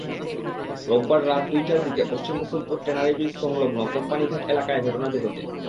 রোববার রাত দুইটার দিকে পশ্চিম রসুলপুর ট্যানারি ব্রিজ-সংলগ্ন কোম্পানীঘাট এলাকায় ঘটনাটি ঘটে।